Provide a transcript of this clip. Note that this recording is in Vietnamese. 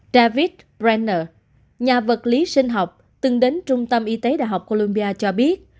david brenner nhà vật lý sinh học từng đến trung tâm y tế đại học columbia cho biết